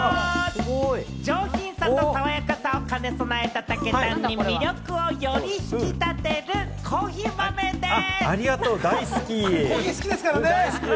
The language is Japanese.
上品さと爽やかさを兼ね備えた、たけたんに魅力をより引き立てるコーヒー豆でぃす！